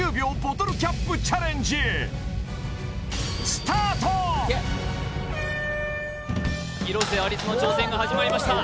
今こそ広瀬アリスの挑戦が始まりました